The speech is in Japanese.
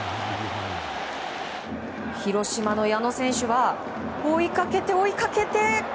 広島の矢野選手は追いかけて追いかけて。